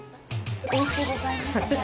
おいしゅうございました。